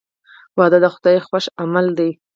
• واده د خدای خوښ عمل دی.